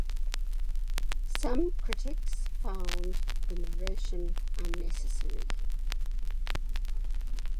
Some critics found the narration unnecessary.